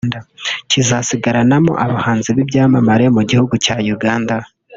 kizagaragaramo abahanzi b’ibyamamare mu guhugu cya Uganda